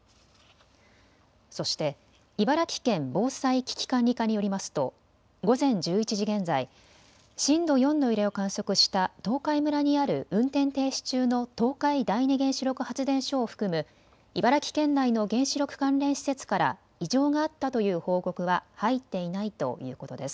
そして茨城県防災・危機管理課によりますと午前１１時現在、震度４の揺れを観測した東海村にある運転停止中の東海第二原子力発電所を含む茨城県内の原子力関連施設から異常があったという報告は入っていないということです。